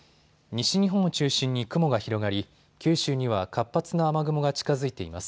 西日本を中心に雲が広がり九州には活発な雨雲が近づいています。